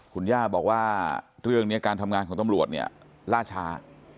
คุณย่าบอกว่าเรื่องนี้การทำงานของตำรวจเนี่ยล่าช้า